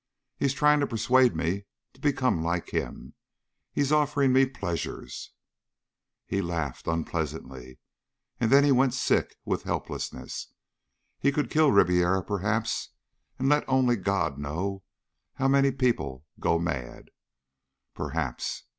He's trying to persuade me to become like him. He's offering me pleasures!" He laughed unpleasantly. And then he went sick with helplessness. He could kill Ribiera, perhaps, and let only God know how many people go mad. Perhaps.